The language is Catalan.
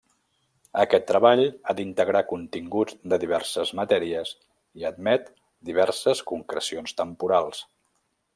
Aquest treball ha d’integrar continguts de diverses matèries i admet diverses concrecions temporals.